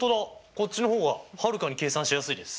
こっちの方がはるかに計算しやすいです。